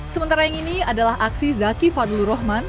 sementara yang ini adalah aksi zaki fadlu rohman